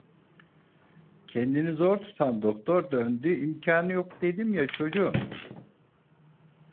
Kendini zor tutan doktor döndü: "imkanı yok dedim ya, çocuğum!"